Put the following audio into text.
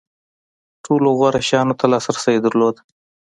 ټولو غوره شیانو ته لاسرسی درلود.